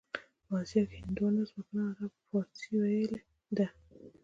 په اسیا کې هندوانو، ازبکانو او عربو فارسي ویلې ده.